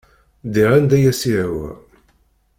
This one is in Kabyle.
Ddiɣ anda i as-yehwa.